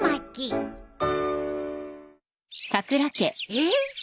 えっ？